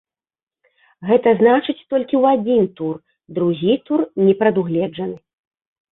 Гэта значыць, толькі ў адзін тур, другі тур не прадугледжаны.